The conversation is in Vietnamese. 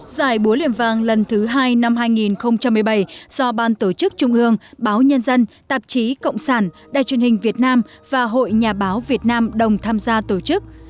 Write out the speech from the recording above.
giải búa liềm vàng lần thứ hai năm hai nghìn một mươi bảy do ban tổ chức trung ương báo nhân dân tạp chí cộng sản đài truyền hình việt nam và hội nhà báo việt nam đồng tham gia tổ chức